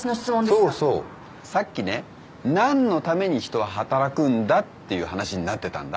そうそうさっきね何のために人は働くんだっていう話になってたんだ。